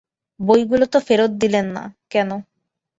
বইগুলি তো ফেরত দিলেন না, কেন?